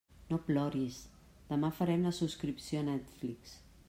No ploris, demà farem la subscripció a Netflix.